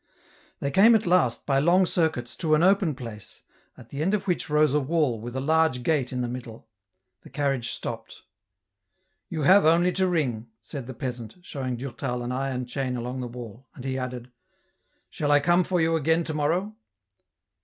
They came at last, by long circuits, to an open place, at the end of which rose a wall with a large gate in the middle. The carriage stopped. " You have only to ring," said the peasant, showing Durtal an iron chain along the wall ; and he added, '* Shall I come for you again to morrow